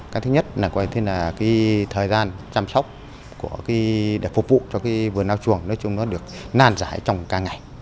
cái thứ nhất là thời gian chăm sóc để phục vụ cho vườn ao chuồng nói chung nó được nàn giải trong cả ngày